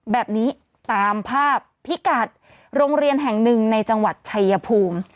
แบบนี้ตามภาพพิกัดโรงเรียนแห่งหนึ่งในจังหวัดชายภูมิ